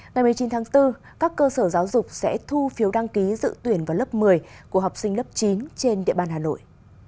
ngày một mươi chín tháng bốn các cơ sở giáo dục sẽ thu phiếu đăng ký dự tuyển vào lớp một mươi của học sinh lớp chín trên địa bàn hà nội